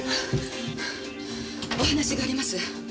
お話があります。